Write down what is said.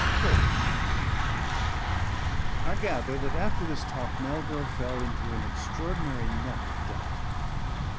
IV I gather that after this talk Melville fell into an extraordinary net of doubting.